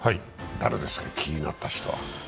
誰ですか、気になったの人は？